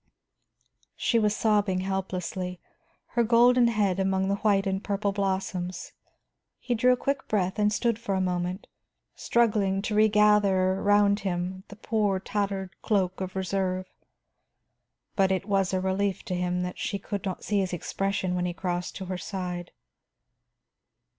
She was sobbing helplessly, her golden head among the white and purple blossoms. He drew a quick breath and stood for a moment, struggling to regather around him the poor tattered cloak of reserve. But it was a relief to him that she could not see his expression when he crossed to her side.